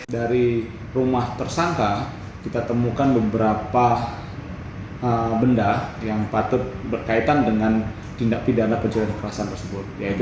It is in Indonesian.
dari rumah tersangka kita temukan beberapa benda yang patut berkaitan dengan tindak pidana pencurian kerasan tersebut